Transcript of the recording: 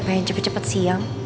pengen cepet cepet siang